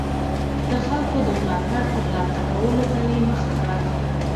د خلکو د ملاتړ ترلاسه کولو ته یې مخه کړه.